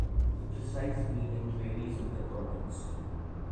The precise meaning varies with the context.